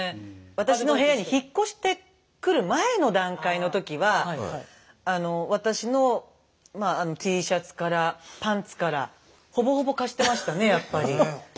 私の部屋に引っ越してくる前の段階の時は私のＴシャツからパンツからほぼほぼ貸してましたねやっぱり。